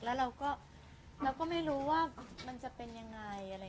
แล้วเราก็ไม่รู้ว่ามันจะเป็นยังไง